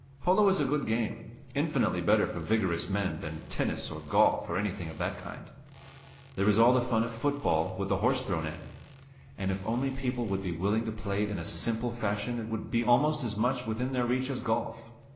Polo is a good game, infinitely better for vigorous men than tennis or golf or anything of that kind. There is all the fun of football, with the horse thrown in; and if only people would be willing to play it in simple fashion it would be almost as much within their reach as golf.